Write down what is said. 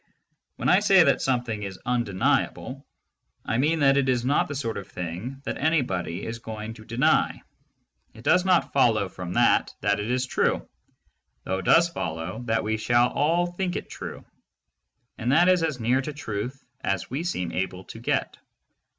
When I say that something is "undeniable," I mean that it is not the sort of thing that anybody is going to deny ; it does not follow from that that it is true, though it does follow that we shall all think it true — and that is as near to truth as we seem able to get.